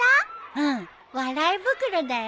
うん笑い袋だよ。